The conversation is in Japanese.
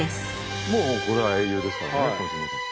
もうこれは英雄ですからね。